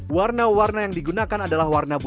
warna warna yang terlihat seperti ini adalah kaki domba